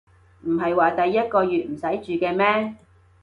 唔係話第一個月唔使住嘅咩